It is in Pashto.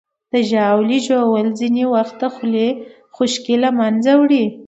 د ژاولې ژوول ځینې وخت د خولې خشکي له منځه وړي.